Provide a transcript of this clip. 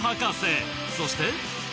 そして。